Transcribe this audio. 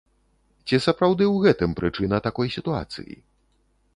Ці сапраўды ў гэтым прычына такой сітуацыі?